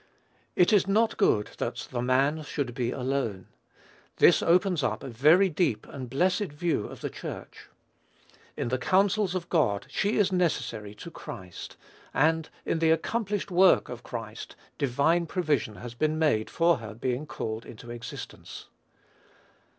"It is not good that the man should be alone." This opens up a very deep and blessed view of the Church. In the counsels of God she is necessary to Christ; and in the accomplished work of Christ, divine provision has been made for her being called into existence.